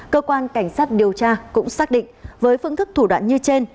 cơ quan cảnh sát điều tra cũng xác định với phương thức thủ đoạn như trên